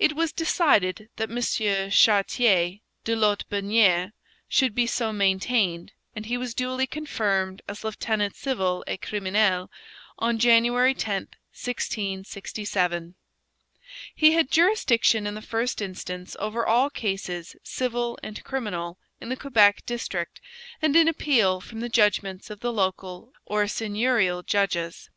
It was decided that M. Chartier (de Lotbiniere) should be so maintained, and he was duly confirmed as lieutenant civil et criminel on January 10, 1667. He had jurisdiction in the first instance over all cases civil and criminal in the Quebec district and in appeal from the judgments of the local or seigneurial judges.